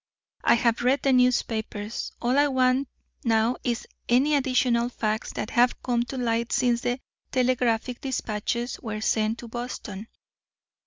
I have read the newspapers; all I want now is any additional facts that have come to light since the telegraphic dispatches were sent to Boston.